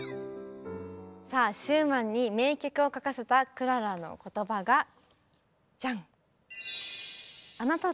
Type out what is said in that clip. さあシューマンに名曲を書かせたクララの言葉がジャン。